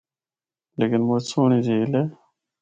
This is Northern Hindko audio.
لیکن مُچ سہنڑی جھیل ہے۔